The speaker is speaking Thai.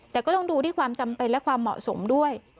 แต่ก็ต้องดูที่ความจำเป็นและความเหมาะสมด้วย